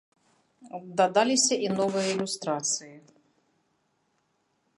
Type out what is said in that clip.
Дадаліся і новыя ілюстрацыі.